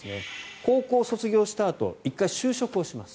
高校卒業したあと１回、就職をします。